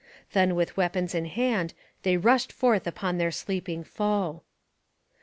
Then with weapons in hand they rushed forth upon their sleeping foe.